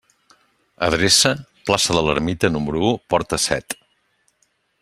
Adreça: plaça de l'Ermita, número u, porta set.